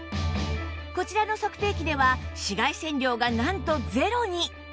こちらの測定器では紫外線量がなんとゼロに！